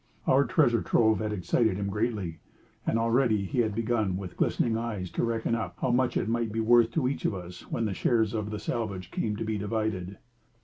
Our treasure trove had excited him greatly, and already he had begun with glistening eyes to reckon up how much it might be worth to each of us when the shares of the salvage came to be divided.